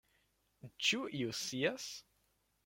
Ĉu iu scias?